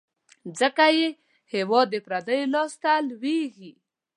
ځکه یې هیواد د پردیو لاس ته لوېږي.